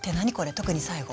特に最後。